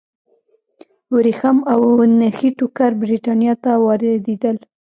ورېښم او نخي ټوکر برېټانیا ته واردېدل.